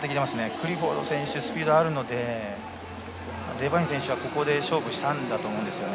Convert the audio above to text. クリフォード選手はスピードがあるのでデバイン選手はここで勝負したんだと思います。